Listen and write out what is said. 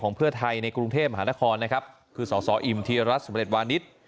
เพื่อไทยในกรุงเทพมหานครนะครับคือสสอิ่มธีรัฐสำเร็จวานิส